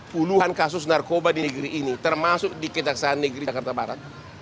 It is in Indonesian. puluhan kasus narkoba di negeri ini termasuk di kejaksaan negeri jakarta barat